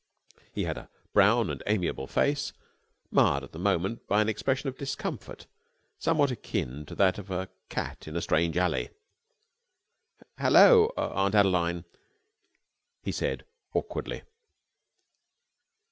He had a brown and amiable face, marred at the moment by an expression of discomfort somewhat akin to that of a cat in a strange alley. "Hallo, Aunt Adeline!" he said awkwardly.